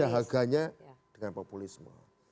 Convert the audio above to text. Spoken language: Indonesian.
dahaganya dengan populisme